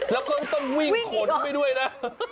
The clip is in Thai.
แล้วก็ต้องวิ่งขนไปด้วยนะ